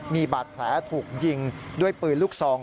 มีบาดแผลถูกยิงด้วยปืนลูกซอง